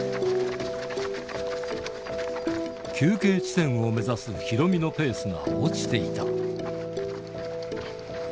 休憩地点を目指すヒロミのペースが落ちていた。